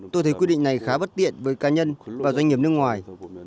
tôi thấy quy định này khá bất tiện với cá nhân và doanh nghiệp nước ngoài